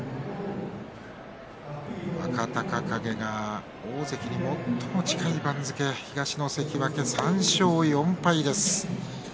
若隆景が大関に最も近い番付東の関脇、３勝４敗です。